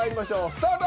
スタート！